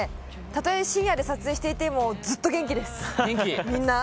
例え深夜に撮影していてもずっと元気です、みんな。